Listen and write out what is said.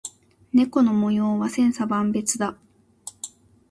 猫の模様は千差万別だ。